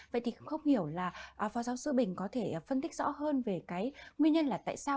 vậy thì không hiểu là phó giáo sư bình có thể phân tích rõ hơn về cái nguyên nhân là tại sao